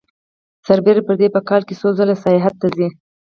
سربېره پر دې په کال کې څو ځلې سیاحت ته ځي